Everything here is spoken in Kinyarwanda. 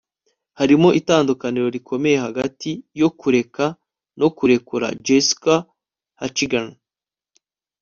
hariho itandukaniro rikomeye hagati yo kureka no kurekura - jessica hatchigan